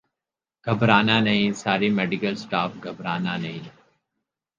گھبرا نہ نہیں ساری میڈیکل سٹاف گھبرانہ نہیں